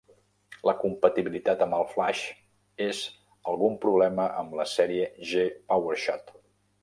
La compatibilitat amb el flaix és algun problema amb la sèrie G Powershot.